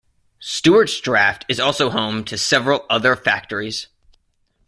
Stuarts Draft is also home to several other factories.